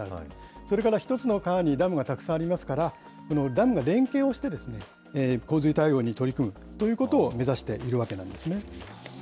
それから１つの川にダムがたくさんありますから、このダムが連携をして、洪水対応に取り組むということを目指しているわけなんですね。